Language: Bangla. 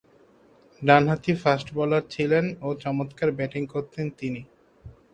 ডানহাতি ফাস্ট বোলার ছিলেন ও চমৎকার ব্যাটিং করতেন তিনি।